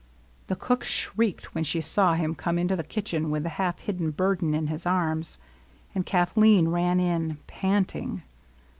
The cook shrieked when she saw him come into the kitchen with the half hidden burden in his arms; and Kathleen ran in, panting.